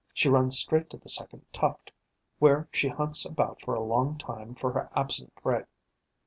She runs straight to the second tuft, where she hunts about for a long time for her absent prey.